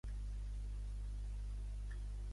Com, com és que saps parlar, Ferri?